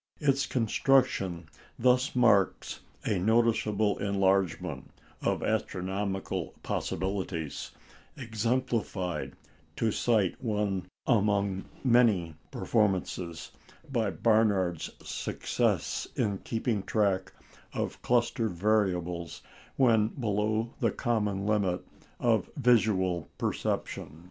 Its construction thus marks a noticeable enlargement of astronomical possibilities, exemplified to cite one among many performances by Barnard's success in keeping track of cluster variables when below the common limit of visual perception.